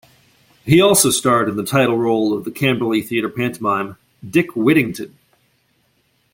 He also starred in the title role of the Camberley Theatre pantomime "Dick Whittington".